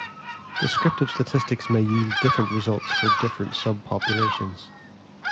Descriptive statistics may yield different results for different subpopulations.